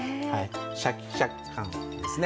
シャキシャキ感ですね。